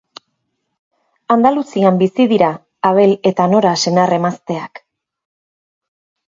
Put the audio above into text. Andaluzian bizi dira Abel eta Nora senar-emazteak.